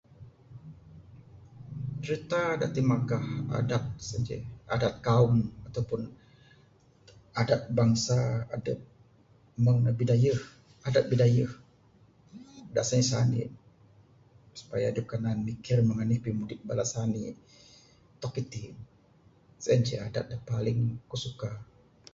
Cirita da timagah adat sien ceh adat kaum, ataupun adat bangsa adep meng ne bidayuh...adat bidayuh da sani-sani ne supaya adep kanan mikir meng anih pimudip bala sani ne tok itin. Sien ceh adat da paling ku suka.